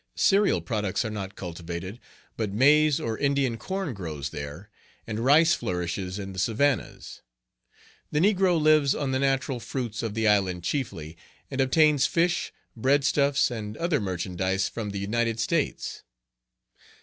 Cereal products are not cultivated; but maize or Indian corn grows there; and rice flourishes in the savannas. The negro lives on the natural fruits of the island chiefly, and obtains fish, breadstuffs, and other merchandise from the United States.